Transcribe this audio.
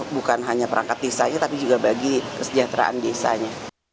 bukan hanya perangkat desanya tapi juga bagi kesejahteraan desanya